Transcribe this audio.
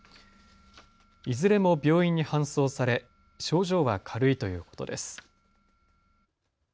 いずれも病院に搬送され症状は軽いということです。